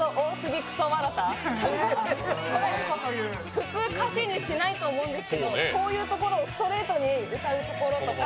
普通歌詞にしないと思うんですけどこういうところをストレートに歌うところとか。